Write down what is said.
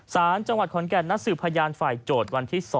สารจังหวัดขอนแก่นนัดสืบพยานฝ่ายโจทย์วันที่๒